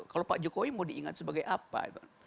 kalau pak jokowi mau diingat sebagai apa itu